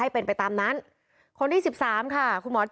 โหวตตามเสียงข้างมาก